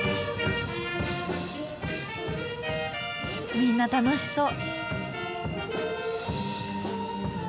みんな楽しそう。